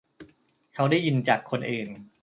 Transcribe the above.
เขาได้ยินจากคนอื่น